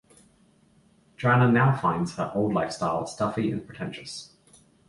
Joanna now finds her old lifestyle stuffy and pretentious.